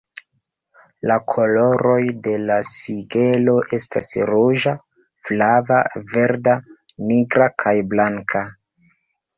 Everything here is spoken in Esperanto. La koloroj de la sigelo estas ruĝa, flava, verda, nigra kaj blanka.